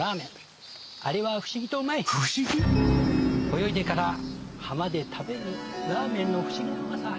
泳いでから浜で食べるラーメンの不思議なうまさ。